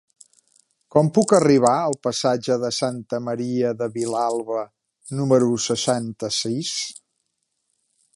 Com puc arribar al passatge de Santa Maria de Vilalba número seixanta-sis?